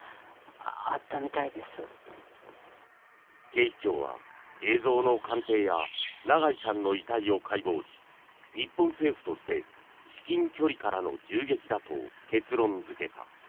警視庁は映像の鑑定や長井さんの遺体を解剖し日本政府として至近距離からの銃撃だと結論付けた。